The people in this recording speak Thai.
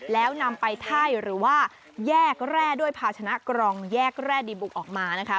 แล้วนำไปไถ่หรือว่าแยกแร่ด้วยภาชนะกรองแยกแร่ดีบุกออกมานะคะ